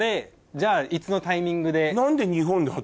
じゃいつのタイミングで。